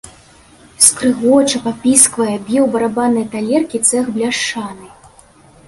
Скрыгоча, папісквае, б'е ў барабанныя талеркі цэх бляшаны.